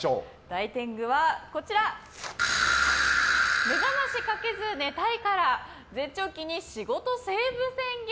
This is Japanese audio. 大天狗は「目覚ましかけず寝たいから」絶頂期仕事セーブ宣言！